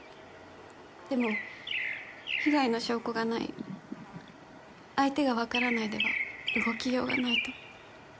でも被害の証拠がない相手が分からないでは動きようがないと。